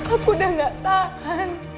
aku udah gak tahan